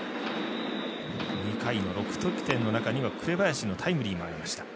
２回の６得点の中には紅林のタイムリーもありました。